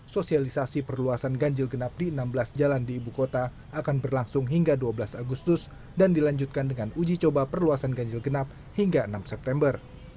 sosialisasi perluasan ganjil genap di enam belas jalan di ibu kota akan berlangsung hingga dua belas agustus dan dilanjutkan dengan uji coba perluasan ganjil genap hingga enam september